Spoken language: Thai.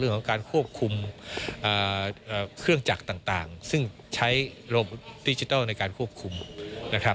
เรื่องของการควบคุมเครื่องจักรต่างซึ่งใช้ดิจิทัลในการควบคุมนะครับ